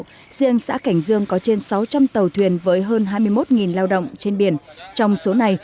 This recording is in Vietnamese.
riêng xã cảnh dương có trên sáu trăm linh tàu thuyền với hơn hai mươi một lao động trên biển trong số này